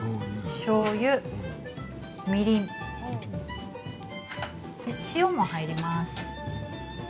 しょうゆ、みりん、塩も入ります。